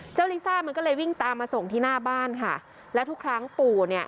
ลิซ่ามันก็เลยวิ่งตามมาส่งที่หน้าบ้านค่ะแล้วทุกครั้งปู่เนี่ย